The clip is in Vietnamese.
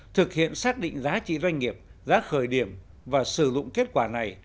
thực hiện xác định giá trị doanh nghiệp giá khởi điểm và sử dụng kết quả này